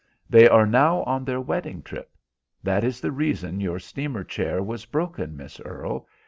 They are now on their wedding trip. That is the reason your steamer chair was broken, Miss Earle.